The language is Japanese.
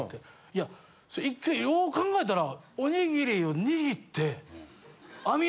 いや１回よう考えたら。